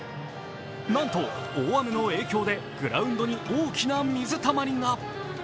なんと大雨の影響で、グラウンドに大きな水たまりが。